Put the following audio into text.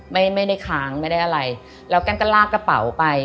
ไม่ได้ค้างไม่ได้อะไรแล้วแกล้งก็ลากกระเป๋าไป